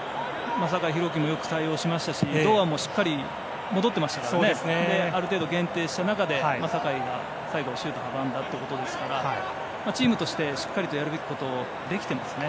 酒井宏樹も良く対応しましたし堂安も戻っていましたからある程度、限定した中で酒井が最後シュート阻んだということですからチームとして、しっかりとやるべきことができてますね。